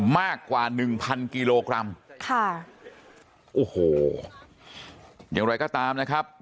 มากกว่า๑๐๐๐กิโลกรัมโอ้โหอย่างไรก็ตามนะครับ